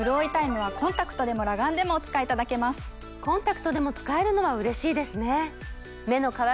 コンタクトでも使えるのはうれしいですね。